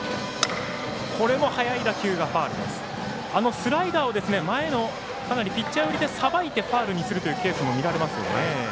スライダーを前のピッチャーさばいてファウルにするというケースも見られますよね。